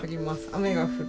雨が降る。